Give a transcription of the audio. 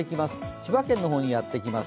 千葉県の方にやってきます。